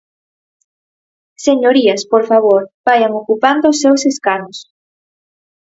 Señorías, por favor, vaian ocupando os seus escanos.